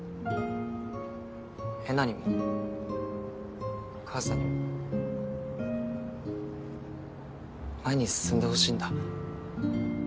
えなにも母さんにも前に進んでほしいんだ。